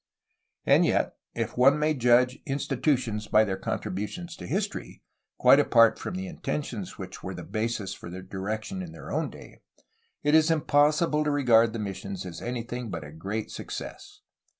And yet, if one may judge institutions by their contri butions to history, quite apart from the intentions which were the basis for their direction in their own day, it is im possible to regard the mission as anything but a great suc cess.